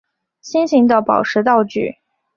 心形的宝石道具。